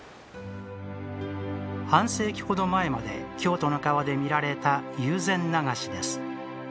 半世紀程前まで京都の川で見られた、友禅流しです。